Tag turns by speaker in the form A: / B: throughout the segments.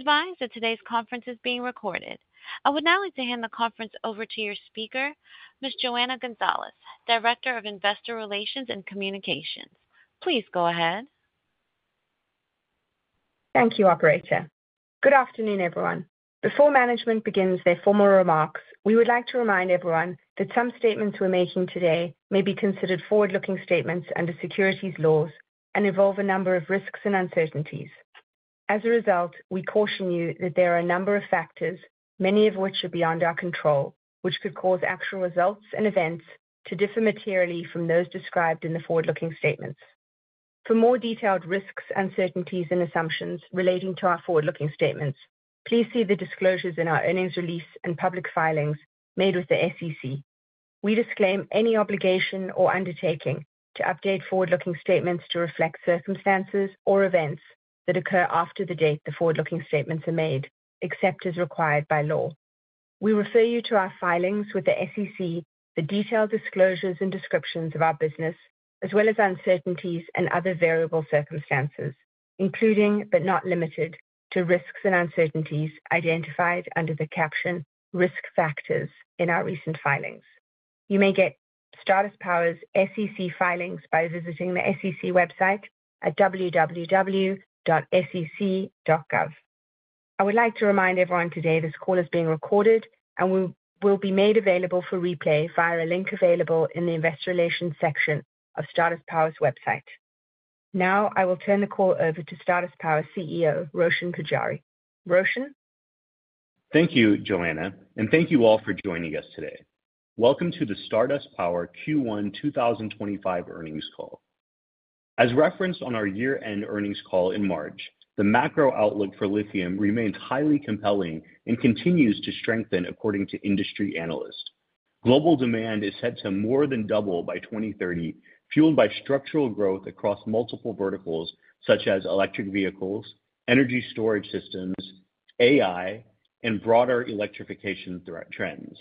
A: Advise that today's conference is being recorded. I would now like to hand the conference over to your speaker, Ms. Johanna Gonzalez, Director of Investor Relations and Communications. Please go ahead.
B: Thank you, Operator. Good afternoon, everyone. Before management begins their formal remarks, we would like to remind everyone that some statements we're making today may be considered forward-looking statements under securities laws and involve a number of risks and uncertainties. As a result, we caution you that there are a number of factors, many of which are beyond our control, which could cause actual results and events to differ materially from those described in the forward-looking statements. For more detailed risks, uncertainties, and assumptions relating to our forward-looking statements, please see the disclosures in our earnings release and public filings made with the SEC. We disclaim any obligation or undertaking to update forward-looking statements to reflect circumstances or events that occur after the date the forward-looking statements are made, except as required by law. We refer you to our filings with the SEC, the detailed disclosures and descriptions of our business, as well as uncertainties and other variable circumstances, including but not limited to risks and uncertainties identified under the caption "Risk Factors" in our recent filings. You may get Stardust Power's SEC filings by visiting the SEC website at www.sec.gov. I would like to remind everyone today this call is being recorded and will be made available for replay via a link available in the Investor Relations section of Stardust Power's website. Now, I will turn the call over to Stardust Power CEO, Roshan Pujari. Roshan?
C: Thank you, Johanna, and thank you all for joining us today. Welcome to the Stardust Power Q1 2025 earnings call. As referenced on our year-end earnings call in March, the macro outlook for lithium remains highly compelling and continues to strengthen according to industry analysts. Global demand is set to more than double by 2030, fueled by structural growth across multiple verticals such as electric vehicles, energy storage systems, AI, and broader electrification trends.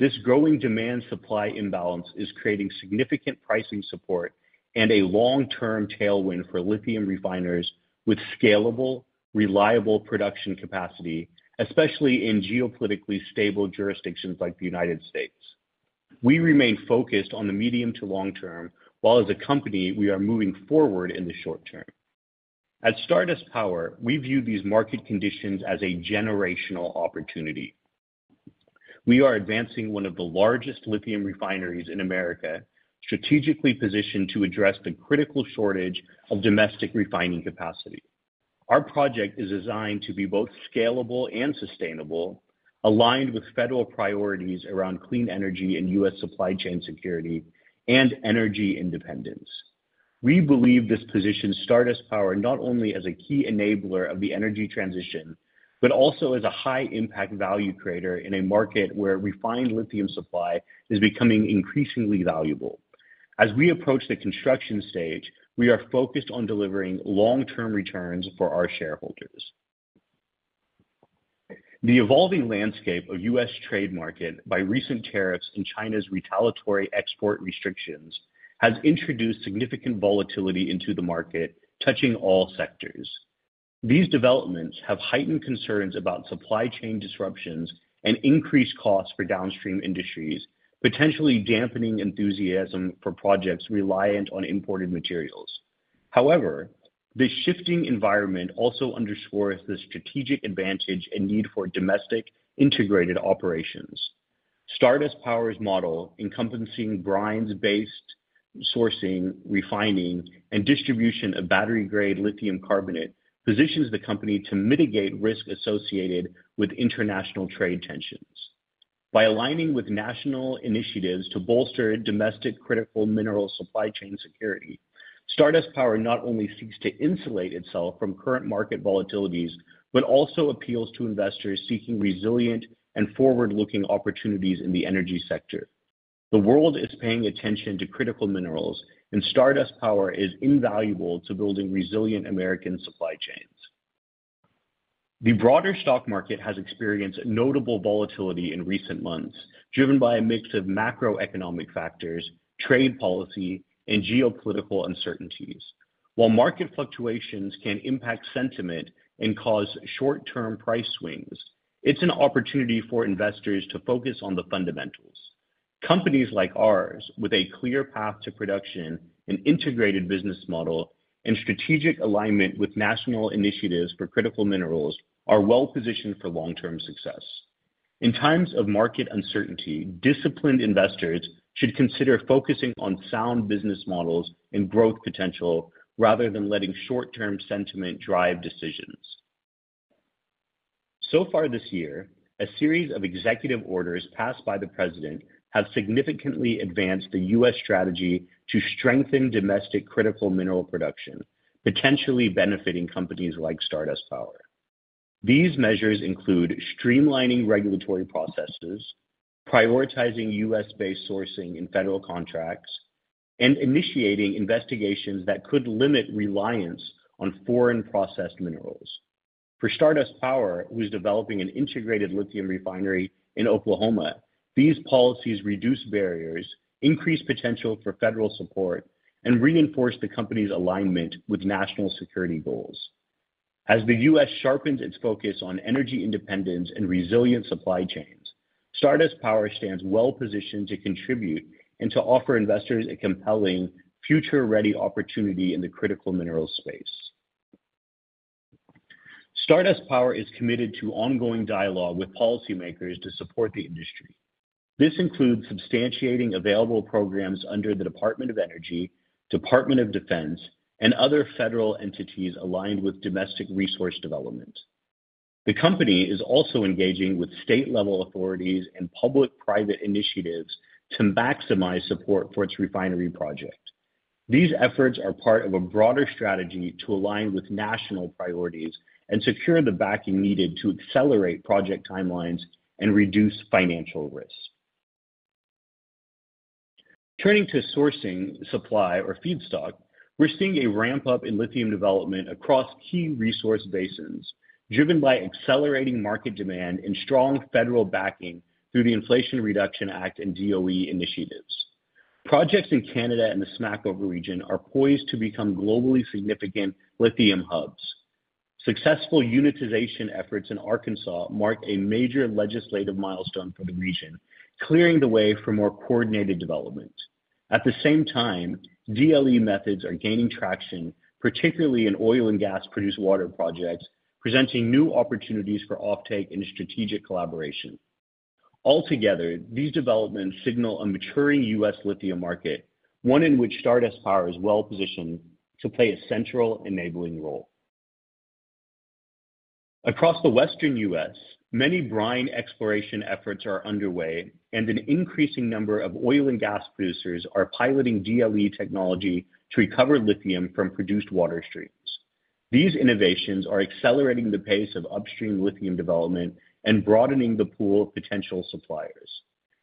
C: This growing demand-supply imbalance is creating significant pricing support and a long-term tailwind for lithium refiners with scalable, reliable production capacity, especially in geopolitically stable jurisdictions like the United States. We remain focused on the medium to long term, while as a company, we are moving forward in the short term. At Stardust Power, we view these market conditions as a generational opportunity. We are advancing one of the largest lithium refineries in America, strategically positioned to address the critical shortage of domestic refining capacity. Our project is designed to be both scalable and sustainable, aligned with federal priorities around clean energy and U.S. supply chain security, and energy independence. We believe this positions Stardust Power not only as a key enabler of the energy transition but also as a high-impact value creator in a market where refined lithium supply is becoming increasingly valuable. As we approach the construction stage, we are focused on delivering long-term returns for our shareholders. The evolving landscape of the U.S. trade market by recent tariffs and China's retaliatory export restrictions has introduced significant volatility into the market, touching all sectors. These developments have heightened concerns about supply chain disruptions and increased costs for downstream industries, potentially dampening enthusiasm for projects reliant on imported materials. However, this shifting environment also underscores the strategic advantage and need for domestic integrated operations. Stardust Power's model, encompassing brines-based sourcing, refining, and distribution of battery-grade lithium carbonate, positions the company to mitigate risks associated with international trade tensions. By aligning with national initiatives to bolster domestic critical mineral supply chain security, Stardust Power not only seeks to insulate itself from current market volatilities but also appeals to investors seeking resilient and forward-looking opportunities in the energy sector. The world is paying attention to critical minerals, and Stardust Power is invaluable to building resilient American supply chains. The broader stock market has experienced notable volatility in recent months, driven by a mix of macroeconomic factors, trade policy, and geopolitical uncertainties. While market fluctuations can impact sentiment and cause short-term price swings, it's an opportunity for investors to focus on the fundamentals. Companies like ours, with a clear path to production, an integrated business model, and strategic alignment with national initiatives for critical minerals, are well-positioned for long-term success. In times of market uncertainty, disciplined investors should consider focusing on sound business models and growth potential rather than letting short-term sentiment drive decisions. So far this year, a series of executive orders passed by the President have significantly advanced the U.S. strategy to strengthen domestic critical mineral production, potentially benefiting companies like Stardust Power. These measures include streamlining regulatory processes, prioritizing U.S.-based sourcing in federal contracts, and initiating investigations that could limit reliance on foreign-processed minerals. For Stardust Power, who is developing an integrated lithium refinery in Oklahoma, these policies reduce barriers, increase potential for federal support, and reinforce the company's alignment with national security goals. As the U.S. sharpens its focus on energy independence and resilient supply chains, Stardust Power stands well-positioned to contribute and to offer investors a compelling, future-ready opportunity in the critical mineral space. Stardust Power is committed to ongoing dialogue with policymakers to support the industry. This includes substantiating available programs under the Department of Energy, Department of Defense, and other federal entities aligned with domestic resource development. The company is also engaging with state-level authorities and public-private initiatives to maximize support for its refinery project. These efforts are part of a broader strategy to align with national priorities and secure the backing needed to accelerate project timelines and reduce financial risks. Turning to sourcing supply or feedstock, we're seeing a ramp-up in lithium development across key resource basins, driven by accelerating market demand and strong federal backing through the Inflation Reduction Act and DOE initiatives. Projects in Canada and the Smackover region are poised to become globally significant lithium hubs. Successful unitization efforts in Arkansas mark a major legislative milestone for the region, clearing the way for more coordinated development. At the same time, DLE methods are gaining traction, particularly in oil and gas-produced water projects, presenting new opportunities for offtake and strategic collaboration. Altogether, these developments signal a maturing U.S. lithium market, one in which Stardust Power is well-positioned to play a central enabling role. Across the western U.S., many brine exploration efforts are underway, and an increasing number of oil and gas producers are piloting DLE technology to recover lithium from produced water streams. These innovations are accelerating the pace of upstream lithium development and broadening the pool of potential suppliers.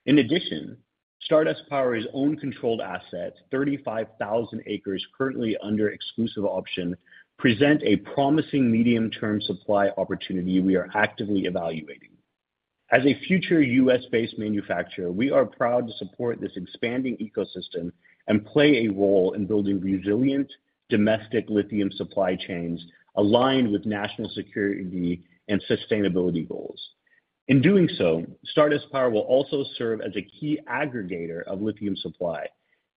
C: In addition, Stardust Power's own controlled assets, 35,000 acres currently under exclusive auction, present a promising medium-term supply opportunity we are actively evaluating. As a future U.S.-based manufacturer, we are proud to support this expanding ecosystem and play a role in building resilient domestic lithium supply chains aligned with national security and sustainability goals. In doing so, Stardust Power will also serve as a key aggregator of lithium supply,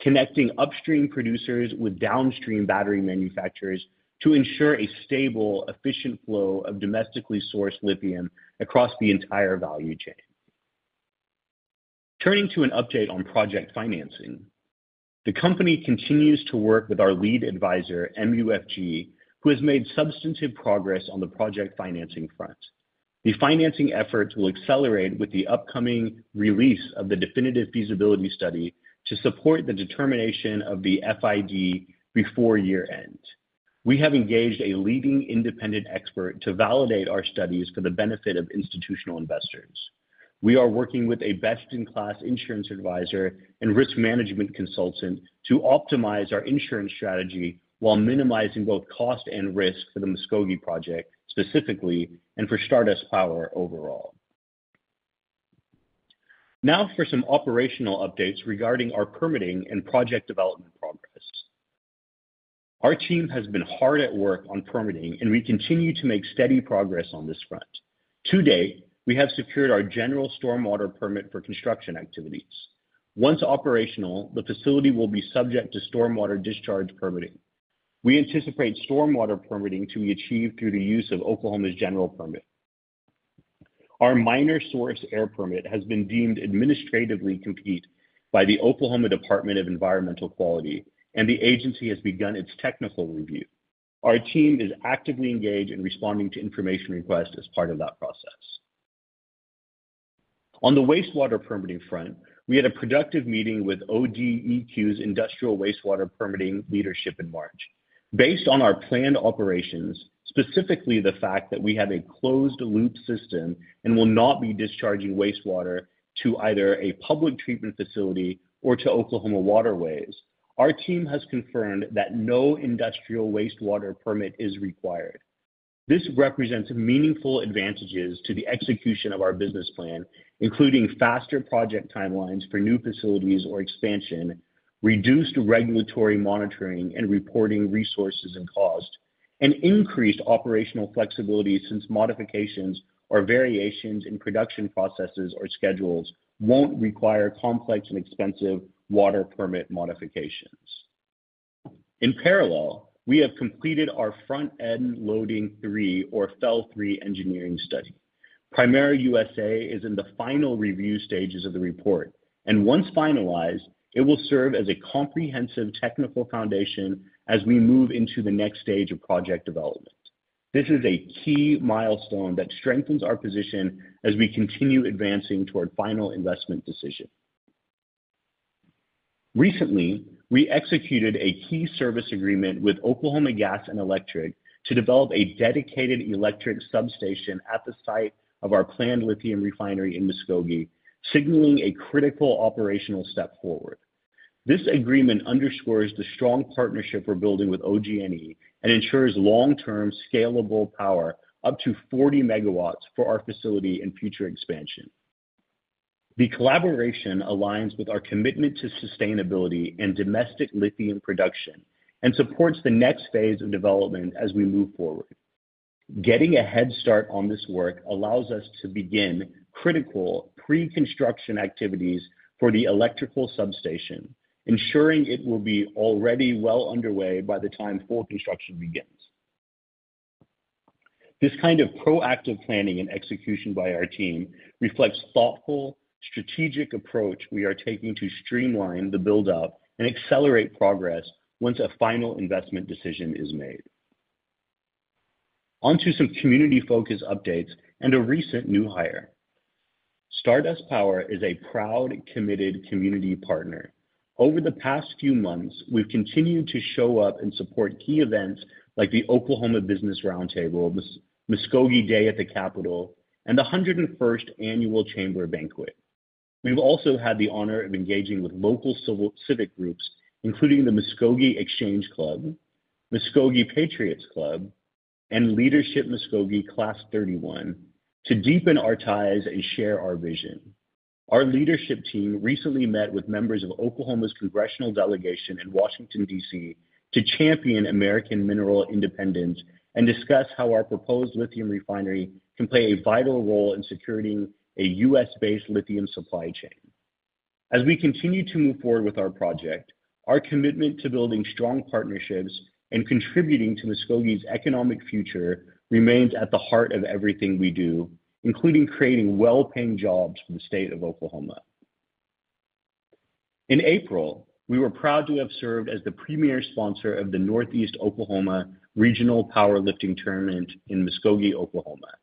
C: connecting upstream producers with downstream battery manufacturers to ensure a stable, efficient flow of domestically sourced lithium across the entire value chain. Turning to an update on project financing, the company continues to work with our lead advisor, MUFG, who has made substantive progress on the project financing front. The financing efforts will accelerate with the upcoming release of the definitive feasibility study to support the determination of the FID before year-end. We have engaged a leading independent expert to validate our studies for the benefit of institutional investors. We are working with a best-in-class insurance advisor and risk management consultant to optimize our insurance strategy while minimizing both cost and risk for the Muskogee project specifically and for Stardust Power overall. Now for some operational updates regarding our permitting and project development progress. Our team has been hard at work on permitting, and we continue to make steady progress on this front. To date, we have secured our general stormwater permit for construction activities. Once operational, the facility will be subject to stormwater discharge permitting. We anticipate stormwater permitting to be achieved through the use of Oklahoma's general permit. Our minor source air permit has been deemed administratively complete by the Oklahoma Department of Environmental Quality, and the agency has begun its technical review. Our team is actively engaged in responding to information requests as part of that process. On the wastewater permitting front, we had a productive meeting with ODEQ's industrial wastewater permitting leadership in March. Based on our planned operations, specifically the fact that we have a closed-loop system and will not be discharging wastewater to either a public treatment facility or to Oklahoma waterways, our team has confirmed that no industrial wastewater permit is required. This represents meaningful advantages to the execution of our business plan, including faster project timelines for new facilities or expansion, reduced regulatory monitoring and reporting resources and cost, and increased operational flexibility since modifications or variations in production processes or schedules will not require complex and expensive water permit modifications. In parallel, we have completed our front-end loading three, or FEL-3 engineering study. Primero USA is in the final review stages of the report, and once finalized, it will serve as a comprehensive technical foundation as we move into the next stage of project development. This is a key milestone that strengthens our position as we continue advancing toward final investment decision. Recently, we executed a key service agreement with Oklahoma Gas and Electric to develop a dedicated electric substation at the site of our planned lithium refinery in Muskogee, signaling a critical operational step forward. This agreement underscores the strong partnership we're building with OG&E and ensures long-term scalable power up to 40 MW for our facility and future expansion. The collaboration aligns with our commitment to sustainability and domestic lithium production and supports the next phase of development as we move forward. Getting a head start on this work allows us to begin critical pre-construction activities for the electrical substation, ensuring it will be already well underway by the time full construction begins. This kind of proactive planning and execution by our team reflects a thoughtful, strategic approach we are taking to streamline the build-up and accelerate progress once a final investment decision is made. Onto some community-focused updates and a recent new hire. Stardust Power is a proud, committed community partner. Over the past few months, we've continued to show up and support key events like the Oklahoma Business Roundtable, Muskogee Day at the Capitol, and the 101st Annual Chamber Banquet. We've also had the honor of engaging with local civic groups, including the Muskogee Exchange Club, Muskogee Patriots Club, and Leadership Muskogee Class 31, to deepen our ties and share our vision. Our leadership team recently met with members of Oklahoma's congressional delegation in Washington, D.C., to champion American mineral independence and discuss how our proposed lithium refinery can play a vital role in securing a U.S.-based lithium supply chain. As we continue to move forward with our project, our commitment to building strong partnerships and contributing to Muskogee's economic future remains at the heart of everything we do, including creating well-paying jobs for the state of Oklahoma. In April, we were proud to have served as the premier sponsor of the Northeast Oklahoma Regional Powerlifting Tournament in Muskogee, Oklahoma.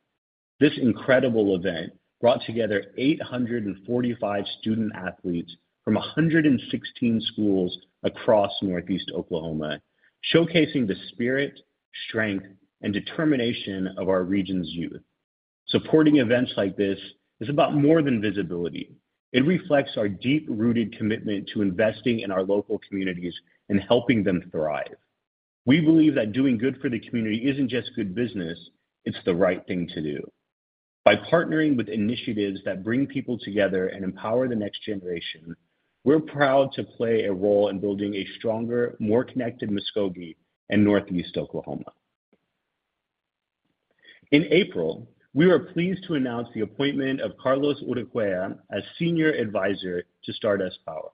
C: This incredible event brought together 845 student-athletes from 116 schools across Northeast Oklahoma, showcasing the spirit, strength, and determination of our region's youth. Supporting events like this is about more than visibility. It reflects our deep-rooted commitment to investing in our local communities and helping them thrive. We believe that doing good for the community isn't just good business. It's the right thing to do. By partnering with initiatives that bring people together and empower the next generation, we're proud to play a role in building a stronger, more connected Muskogee and Northeast Oklahoma. In April, we were pleased to announce the appointment of Carlos Uruguaya as Senior Advisor to Stardust Power.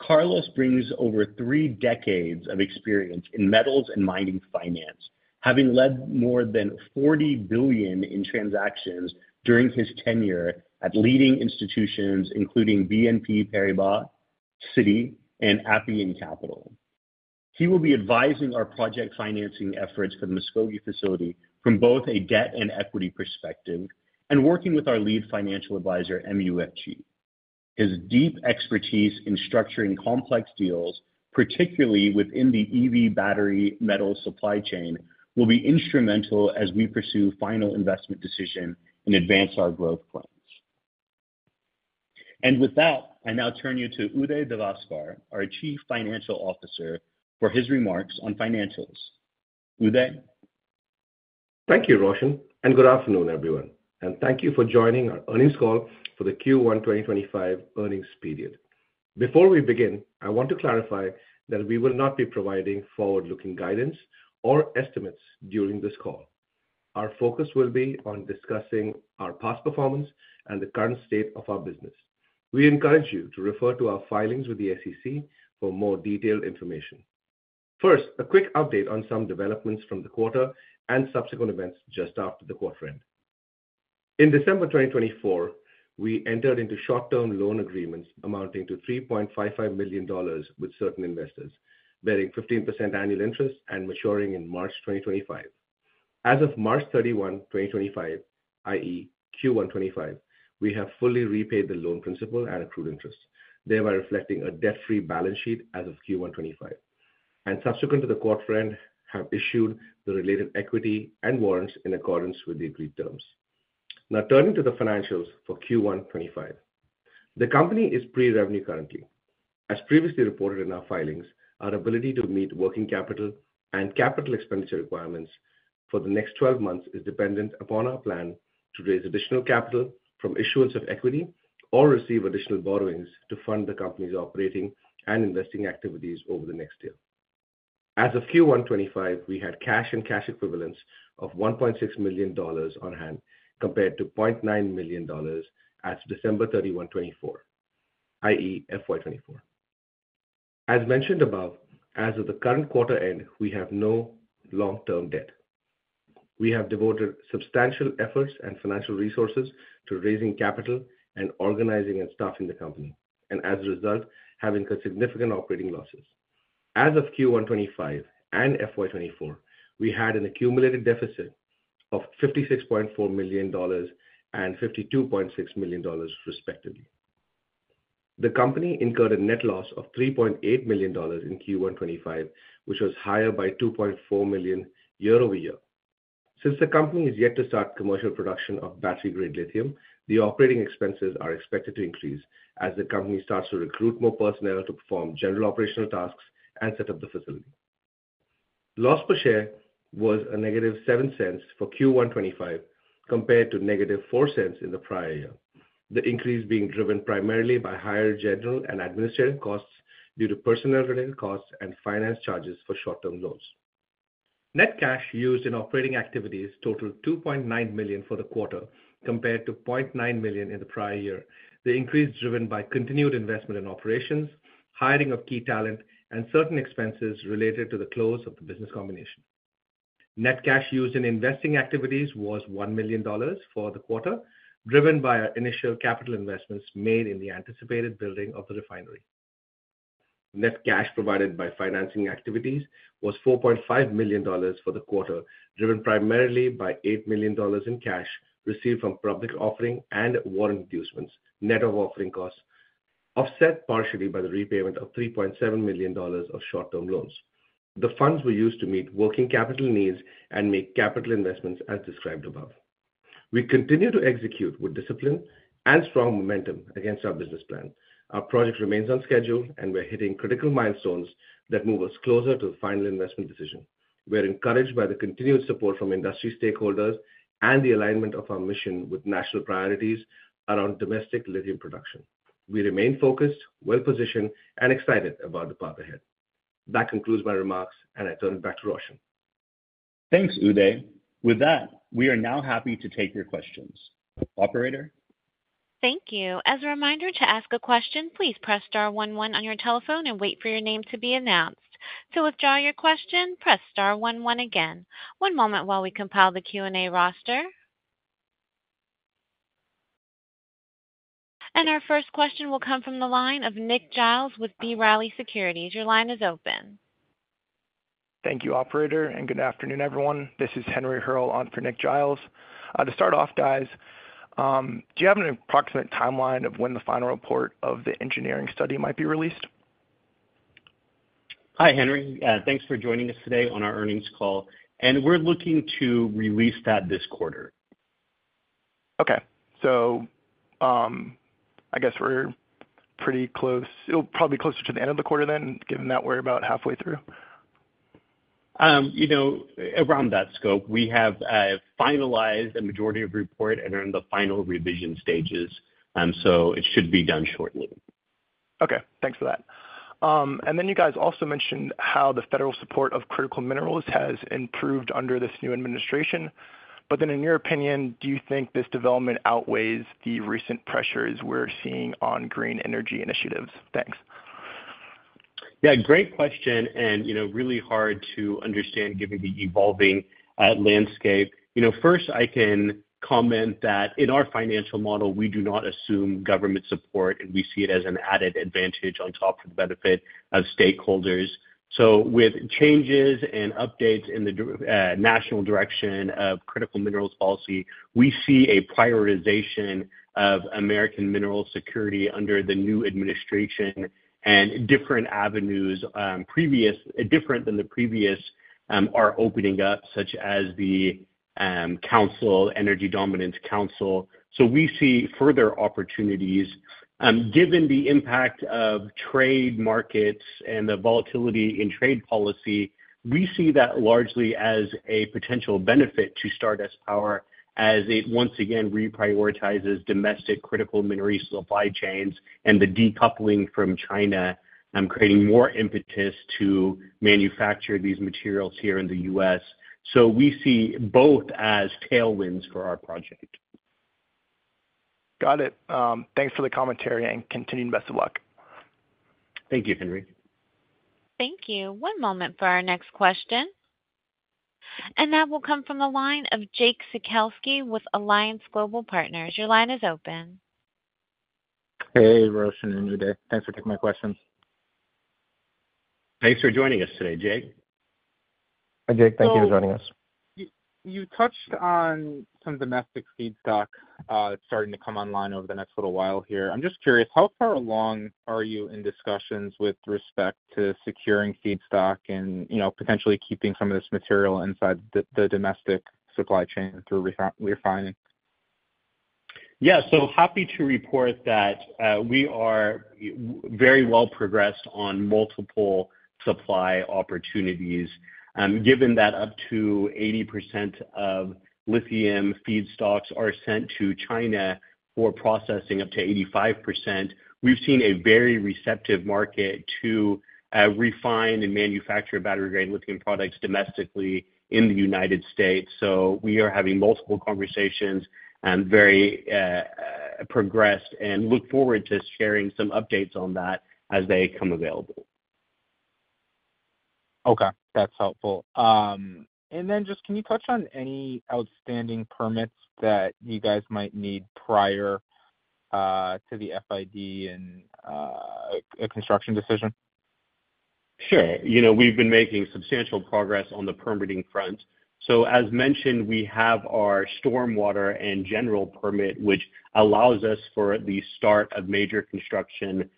C: Carlos brings over three decades of experience in metals and mining finance, having led more than $40 billion in transactions during his tenure at leading institutions, including BNP Paribas, Citi, and Appian Capital. He will be advising our project financing efforts for the Muskogee facility from both a debt and equity perspective and working with our lead financial advisor, MUFG. His deep expertise in structuring complex deals, particularly within the EV battery metal supply chain, will be instrumental as we pursue final investment decisions and advance our growth plans. I now turn you to Uday Devasper, our Chief Financial Officer, for his remarks on financials. Uday?
D: Thank you, Roshan, and good afternoon, everyone. Thank you for joining our earnings call for the Q1 2025 earnings period. Before we begin, I want to clarify that we will not be providing forward-looking guidance or estimates during this call. Our focus will be on discussing our past performance and the current state of our business. We encourage you to refer to our filings with the SEC for more detailed information. First, a quick update on some developments from the quarter and subsequent events just after the quarter end. In December 2024, we entered into short-term loan agreements amounting to $3.55 million with certain investors, bearing 15% annual interest and maturing in March 2025. As of March 31, 2025, i.e., Q1 25, we have fully repaid the loan principal and accrued interest, thereby reflecting a debt-free balance sheet as of Q1 25. Subsequent to the quarter end, we have issued the related equity and warrants in accordance with the agreed terms. Now, turning to the financials for Q1 25, the company is pre-revenue currently. As previously reported in our filings, our ability to meet working capital and capital expenditure requirements for the next 12 months is dependent upon our plan to raise additional capital from issuance of equity or receive additional borrowings to fund the company's operating and investing activities over the next year. As of Q1 2025, we had cash and cash equivalents of $1.6 million on hand compared to $0.9 million as of December 31, 2024, i.e., FY 2024. As mentioned above, as of the current quarter end, we have no long-term debt. We have devoted substantial efforts and financial resources to raising capital and organizing and staffing the company, and as a result, have incurred significant operating losses. As of Q1 2025 and FY 2024, we had an accumulated deficit of $56.4 million and $52.6 million, respectively. The company incurred a net loss of $3.8 million in Q1 2025, which was higher by $2.4 million year-over-year. Since the company has yet to start commercial production of battery-grade lithium, the operating expenses are expected to increase as the company starts to recruit more personnel to perform general operational tasks and set up the facility. Loss per share was a negative $0.07 for Q1 2025 compared to negative $0.04 in the prior year, the increase being driven primarily by higher general and administrative costs due to personnel-related costs and finance charges for short-term loans. Net cash used in operating activities totaled $2.9 million for the quarter compared to $0.9 million in the prior year, the increase driven by continued investment in operations, hiring of key talent, and certain expenses related to the close of the business combination. Net cash used in investing activities was $1 million for the quarter, driven by our initial capital investments made in the anticipated building of the refinery. Net cash provided by financing activities was $4.5 million for the quarter, driven primarily by $8 million in cash received from public offering and warrant inducements, net of offering costs, offset partially by the repayment of $3.7 million of short-term loans. The funds were used to meet working capital needs and make capital investments as described above. We continue to execute with discipline and strong momentum against our business plan. Our project remains on schedule, and we're hitting critical milestones that move us closer to the final investment decision. We're encouraged by the continued support from industry stakeholders and the alignment of our mission with national priorities around domestic lithium production. We remain focused, well-positioned, and excited about the path ahead. That concludes my remarks, and I turn it back to Roshan.
C: Thanks, Uday. With that, we are now happy to take your questions. Operator?
A: Thank you. As a reminder to ask a question, please press star one one on your telephone and wait for your name to be announced. To withdraw your question, press star one one again. One moment while we compile the Q&A roster. Our first question will come from the line of Nick Giles with B. Riley Securities. Your line is open.
E: Thank you, Operator, and good afternoon, everyone. This is Henry Hearle on for Nick Giles. To start off, guys, do you have an approximate timeline of when the final report of the engineering study might be released?
C: Hi, Henry. Thanks for joining us today on our earnings call. We are looking to release that this quarter.
E: Okay. I guess we are pretty close, probably closer to the end of the quarter then, given that we are about halfway through?
C: Around that scope, we have finalized a majority of the report and are in the final revision stages. It should be done shortly.
E: Okay. Thanks for that. You guys also mentioned how the federal support of critical minerals has improved under this new administration. But then, in your opinion, do you think this development outweighs the recent pressures we're seeing on green energy initiatives? Thanks.
C: Yeah, great question and really hard to understand given the evolving landscape. First, I can comment that in our financial model, we do not assume government support, and we see it as an added advantage on top of the benefit of stakeholders. With changes and updates in the national direction of critical minerals policy, we see a prioritization of American mineral security under the new administration and different avenues different than the previous are opening up, such as the Energy Dominance Council. We see further opportunities. Given the impact of trade markets and the volatility in trade policy, we see that largely as a potential benefit to Stardust Power as it once again reprioritizes domestic critical mineral supply chains and the decoupling from China, creating more impetus to manufacture these materials here in the U.S. We see both as tailwinds for our project.
E: Got it. Thanks for the commentary and continued best of luck.
C: Thank you, Henry.
A: Thank you. One moment for our next question. That will come from the line of Jake Sekelsky with Alliance Global Partners. Your line is open.
F: Hey, Roshan and Uday. Thanks for taking my question.
C: Thanks for joining us today, Jake.
D: Hi, Jake. Thank you for joining us.
F: You touched on some domestic feedstock starting to come online over the next little while here. I'm just curious, how far along are you in discussions with respect to securing feedstock and potentially keeping some of this material inside the domestic supply chain through refining?
C: Yeah. So happy to report that we are very well progressed on multiple supply opportunities. Given that up to 80% of lithium feedstocks are sent to China for processing, up to 85%, we've seen a very receptive market to refine and manufacture battery-grade lithium products domestically in the United States. We are having multiple conversations and very progressed and look forward to sharing some updates on that as they come available.
F: Okay. That's helpful. Can you touch on any outstanding permits that you guys might need prior to the FID and a construction decision?
C: Sure. We've been making substantial progress on the permitting front. As mentioned, we have our stormwater and general permit, which allows us for the start of major construction.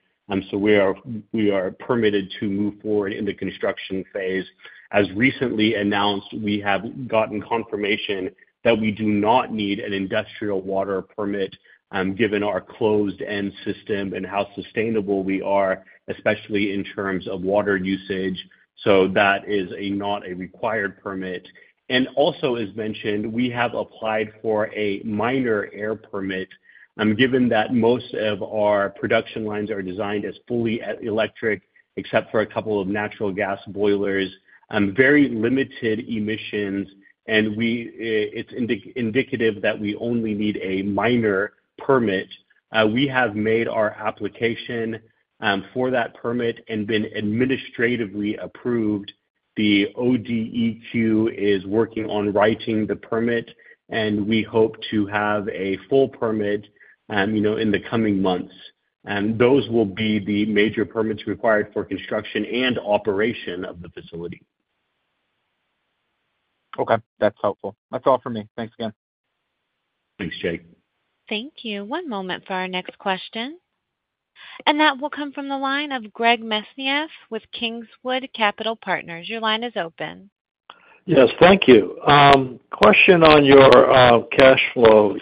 C: We are permitted to move forward in the construction phase. As recently announced, we have gotten confirmation that we do not need an industrial water permit given our closed-loop system and how sustainable we are, especially in terms of water usage. That is not a required permit. Also, as mentioned, we have applied for a minor air permit given that most of our production lines are designed as fully electric, except for a couple of natural gas boilers, very limited emissions, and it is indicative that we only need a minor permit. We have made our application for that permit and been administratively approved. The Oklahoma Department of Environmental Quality is working on writing the permit, and we hope to have a full permit in the coming months. Those will be the major permits required for construction and operation of the facility.
F: Okay. That's helpful. That's all for me. Thanks again.
C: Thanks, Jake.
A: Thank you. One moment for our next question. That will come from the line of Greg Mesniaeff with Kingswood Capital Partners. Your line is open.
G: Yes. Thank you. Question on your cash flow.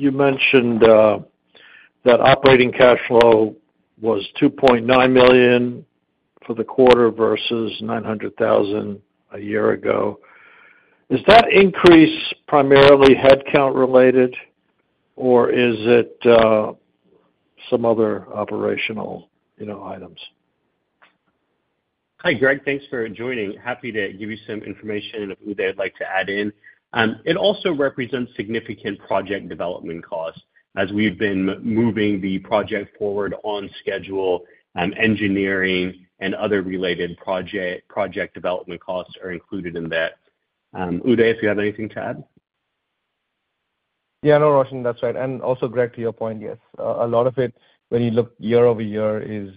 G: You mentioned that operating cash flow was $2.9 million for the quarter versus $900,000 a year ago. Is that increase primarily headcount related, or is it some other operational items?
C: Hi, Greg. Thanks for joining. Happy to give you some information if Uday would like to add in. It also represents significant project development costs as we've been moving the project forward on schedule. Engineering and other related project development costs are included in that. Uday, if you have anything to add?
D: Yeah. No, Roshan, that's right. And also, Greg, to your point, yes. A lot of it, when you look year-over-year, is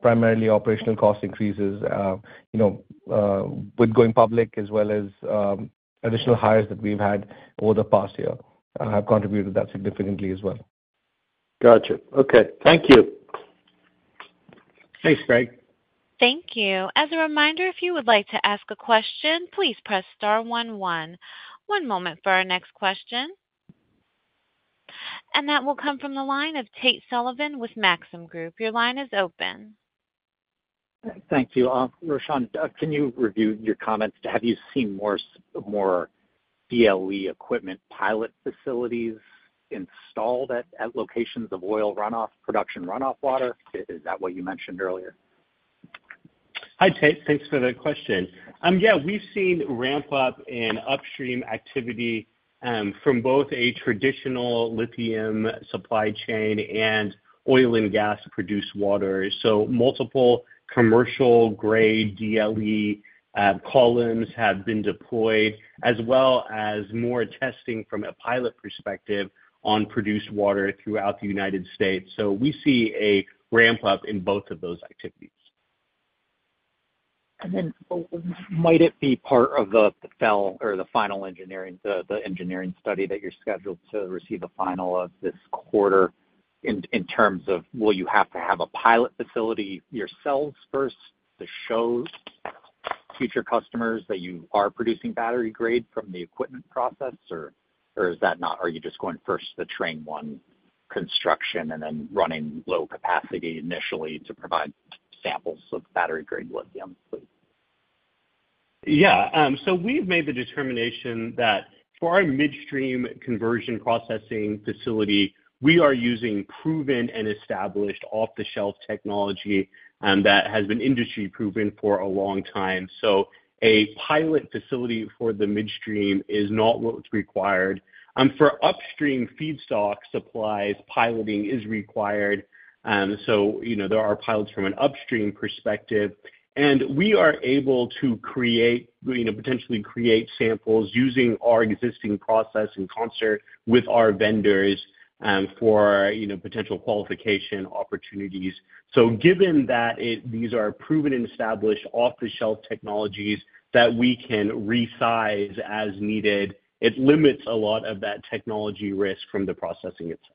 D: primarily operational cost increases with going public, as well as additional hires that we've had over the past year have contributed to that significantly as well.
G: Gotcha. Okay. Thank you.
C: Thanks, Greg.
A: Thank you. As a reminder, if you would like to ask a question, please press star one one. One moment for our next question. That will come from the line of Tate Sullivan with Maxim Group. Your line is open.
H: Thank you. Roshan, can you review your comments? Have you seen more DLE equipment pilot facilities installed at locations of oil runoff, production runoff water? Is that what you mentioned earlier?
C: Hi, Tate. Thanks for the question. Yeah, we've seen ramp-up in upstream activity from both a traditional lithium supply chain and oil and gas produced water. Multiple commercial-grade DLE columns have been deployed, as well as more testing from a pilot perspective on produced water throughout the United States. We see a ramp-up in both of those activities.
H: Might it be part of the final engineering study that you are scheduled to receive a final of this quarter in terms of, will you have to have a pilot facility yourselves first to show future customers that you are producing battery-grade from the equipment process, or is that not? Are you just going first to train one construction and then running low capacity initially to provide samples of battery-grade lithium?
C: Yeah. We have made the determination that for our midstream conversion processing facility, we are using proven and established off-the-shelf technology that has been industry-proven for a long time. A pilot facility for the midstream is not what's required. For upstream feedstock supplies, piloting is required. There are pilots from an upstream perspective. We are able to potentially create samples using our existing process and in concert with our vendors for potential qualification opportunities. Given that these are proven and established off-the-shelf technologies that we can resize as needed, it limits a lot of that technology risk from the processing itself.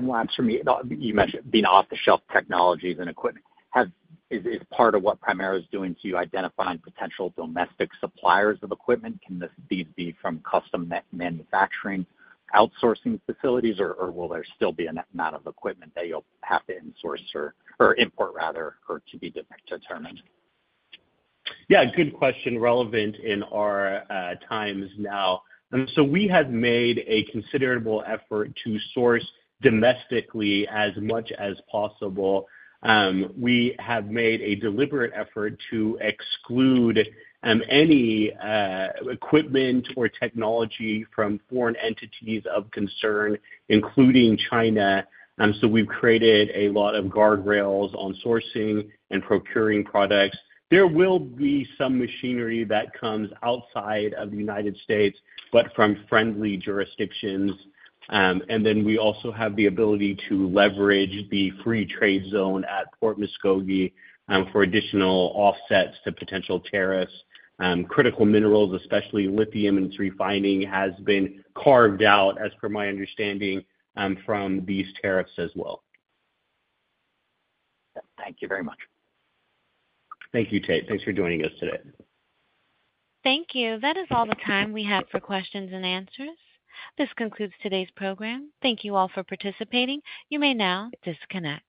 H: Last for me, you mentioned being off-the-shelf technologies and equipment. Is part of what Primero is doing to identify potential domestic suppliers of equipment? Can these be from custom manufacturing outsourcing facilities, or will there still be an amount of equipment that you'll have to insource or import, rather, or to be determined?
C: Yeah. Good question. Relevant in our times now. We have made a considerable effort to source domestically as much as possible. We have made a deliberate effort to exclude any equipment or technology from foreign entities of concern, including China. We have created a lot of guardrails on sourcing and procuring products. There will be some machinery that comes outside of the United States, but from friendly jurisdictions. We also have the ability to leverage the Free Trade Zone at Port Muskogee for additional offsets to potential tariffs. Critical minerals, especially lithium and refining, have been carved out, as per my understanding, from these tariffs as well.
H: Thank you very much.
C: Thank you, Tate. Thanks for joining us today.
A: Thank you. That is all the time we have for questions and answers. This concludes today's program. Thank you all for participating. You may now disconnect.